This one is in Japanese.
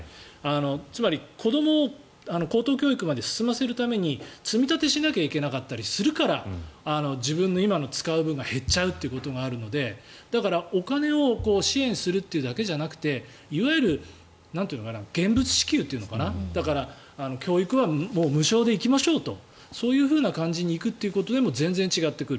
つまり、子どもを高等教育まで進ませるために積み立てしなきゃいけなかったりするから自分の今の使う分が減っちゃうということもあるのでだから、お金を支援するというだけじゃなくていわゆる、現物支給というのかな教育は無償で行きましょうとそういうふうな感じに行くということでも全然違ってくる。